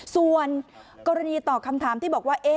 ส่วนกรณีตอบคำถามที่บอกว่า